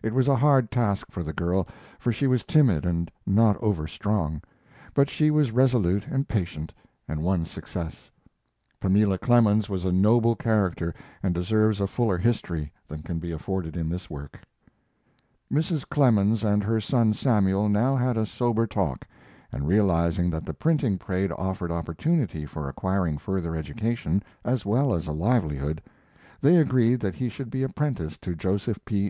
It was a hard task for the girl, for she was timid and not over strong; but she was resolute and patient, and won success. Pamela Clemens was a noble character and deserves a fuller history than can be afforded in this work. Mrs. Clemens and her son Samuel now had a sober talk, and, realizing that the printing trade offered opportunity for acquiring further education as well as a livelihood, they agreed that he should be apprenticed to Joseph P.